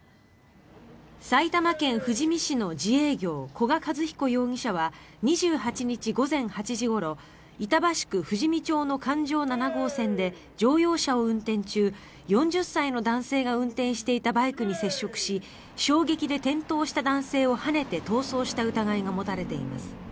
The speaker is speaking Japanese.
埼玉県富士見市の自営業古賀和彦容疑者は２８日午前８時ごろ板橋区富士見町の環状７号線で乗用車を運転中４０歳の男性が運転していたバイクに接触し衝撃で転倒した男性をはねて逃走した疑いが持たれています。